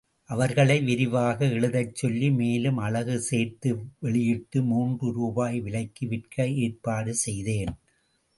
அவர்களை விரிவாக எழுதச் சொல்லி, மேலும் அழகு சேர்த்து வெளியிட்டு மூன்று ரூபாய் விலைக்கு விற்க ஏற்பாடு செய்தேன்.